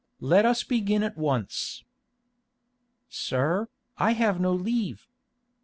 Let us begin at once." "Sir, I have no leave."